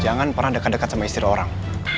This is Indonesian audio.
jangan pernah dekat dekat sama istri orang